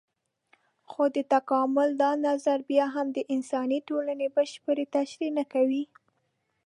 خو د تکامل دا نظر بيا هم د انساني ټولنې بشپړه تشرېح نه کوي.